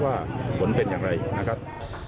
ว่าผลเป็นอย่างไรนะครับ